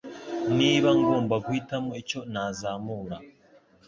Niba ngomba guhitamo icyo nazamura -